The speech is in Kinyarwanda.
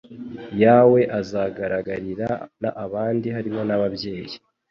yawe azagaragarira abandi harimo n ababyeyi